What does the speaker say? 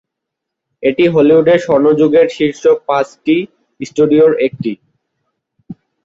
এটি হলিউডের স্বর্ণযুগের শীর্ষ পাঁচটি স্টুডিওর একটি।